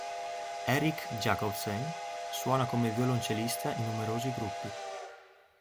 Eric Jacobsen suona come violoncellista in numerosi gruppi.